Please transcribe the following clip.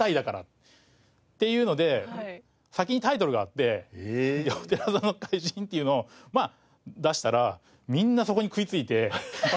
っていうので先にタイトルがあって「お寺座の怪人」っていうのを出したらみんなそこに食いついて。